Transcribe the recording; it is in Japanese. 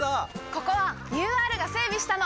ここはＵＲが整備したの！